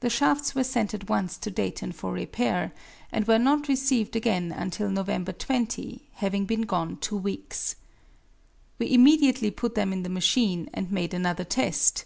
The shafts were sent at once to Dayton for repair, and were not received again until November 20, having been gone two weeks. We immediately put them in the machine and made another test.